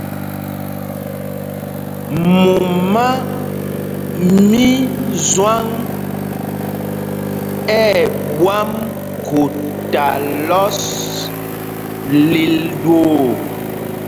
Mumá mí Zwâŋ ɛ̂ ɓwâm khuta lɔs lil ɗwoo.